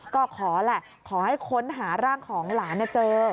ก็ขอแหละขอให้ค้นหาร่างของหลานเจอ